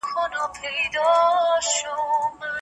د لویې جرګي د غړو د ثبت نام مرکز چېرته دی؟